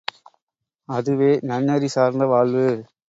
அதுவே நன்னெறி சார்ந்த வாழ்வு.